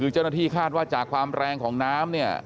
เจ้าหน้าที่คาดว่าจากความแรงของน้ำเนี่ย